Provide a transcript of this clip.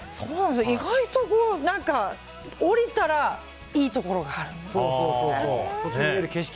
意外と、降りたらいいところがあるっていう。